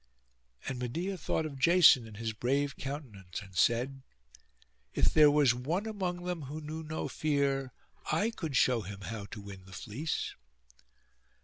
And Medeia thought of Jason and his brave countenance, and said, 'If there was one among them who knew no fear, I could show him how to win the fleece.